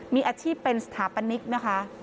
มีอาชีพเป็นสถาปนิกนะคะ